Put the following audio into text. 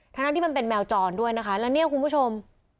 ทั้งที่มันเป็นแมวจรด้วยนะคะแล้วเนี่ยคุณผู้ชม